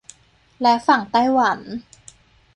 และฝั่งไต้หวัน